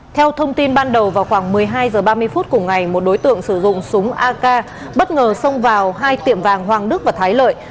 theo thông tin ban đầu vào khoảng một mươi hai h ba mươi phút cùng ngày một đối tượng sử dụng súng ak bất ngờ xông vào hai tiệm vàng hoàng đức và thái lợi